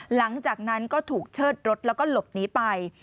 หลังจากนั้นก็ถูกเชิดรถแล้วก็หลบหนีไป